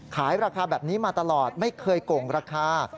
ขายราคาแบบนี้มาตลอดไม่เคยโก่งราคา